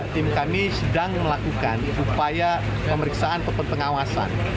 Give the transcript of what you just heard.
tim kami sedang melakukan upaya pemeriksaan pepentengawasan